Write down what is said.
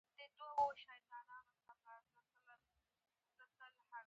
ازادي راډیو د سوداګریز تړونونه په اړه د امنیتي اندېښنو یادونه کړې.